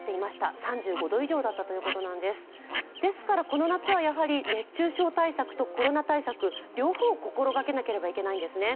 この夏はやはり、熱中症対策とコロナ対策、両方を心がけなければいけないんですね。